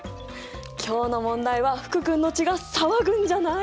今日の問題は福君の血が騒ぐんじゃない！？